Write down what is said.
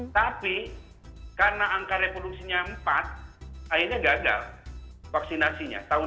tapi karena angka reproduksinya empat akhirnya gagal vaksinasinya tahun dua ribu dua